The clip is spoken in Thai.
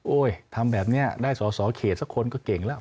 ทำแบบนี้ได้สอสอเขตสักคนก็เก่งแล้ว